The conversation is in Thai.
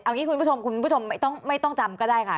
เอางี้คุณผู้ชมคุณผู้ชมไม่ต้องจำก็ได้ค่ะ